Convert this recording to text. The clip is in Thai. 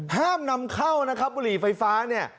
แห้มนำเข้าบุหรี่ไฟฟ้า